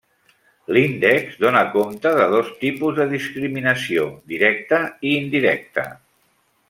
L'índex dóna compte de dos tipus de discriminació: directa i indirecta.